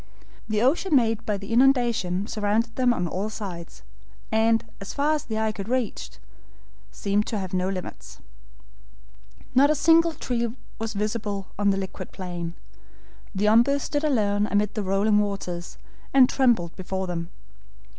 The ocean made by the inundation surrounded them on all sides, and, far as the eye could reach, seemed to have no limits. Not a single tree was visible on the liquid plain; the OMBU stood alone amid the rolling waters, and trembled before them.